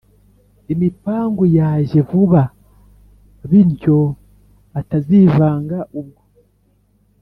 imipangu yajye vuba bintyo atazivanga ubwo